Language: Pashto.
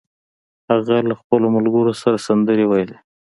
هغه له خپلو ملګرو سره سندرې ویلې